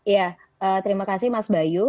ya terima kasih mas bayu